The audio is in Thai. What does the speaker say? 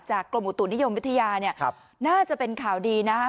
จากกรมอุตุนิยมวิทยาน่าจะเป็นข่าวดีนะ